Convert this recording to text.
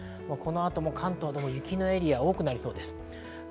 この後も関東では雪のエリア多くなりそうです。